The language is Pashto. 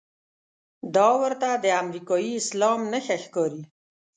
دا ورته د امریکايي اسلام نښه ښکاري.